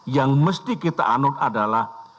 yang mesti kita anut adalah